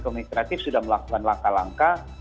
ekomunikatif sudah melakukan langkah langkah